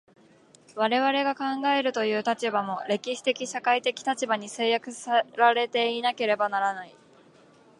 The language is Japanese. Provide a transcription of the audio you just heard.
我々が考えるという立場も、歴史的社会的立場に制約せられていなければならない。